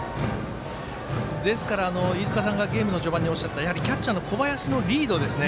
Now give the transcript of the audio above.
ですから、飯塚さんがゲームの序盤におっしゃったキャッチャーの小林のリード。